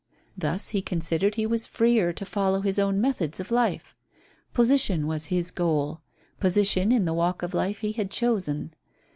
Thus he considered he was freer to follow his own methods of life. Position was his goal position in the walk of life he had chosen.